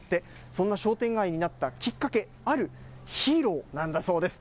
そんな商店街になったきっかけ、あるヒーローなんだそうです。